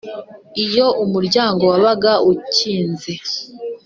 Iyo umuryango wabaga ukize,